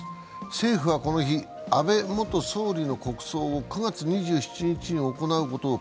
政府は、この日、安倍元総理の国葬を９月２７日に行うことを